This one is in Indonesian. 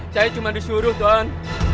saya cuma disuruh tuhan